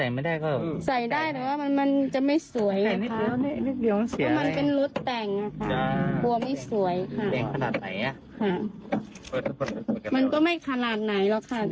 ไม่ใช่แต่เป็นน้องเจ้าของรถเนี่ยเป็นน้องชายหนูไงค่ะ